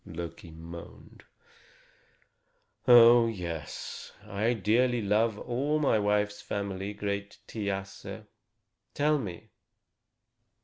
Loki moaned: "Oh, yes! I dearly love all my wife's family, great Thiasse.